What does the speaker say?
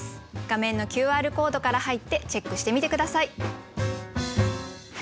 画面のＱＲコードから入ってチェックしてみて下さい。